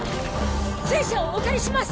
戦車をお借りします。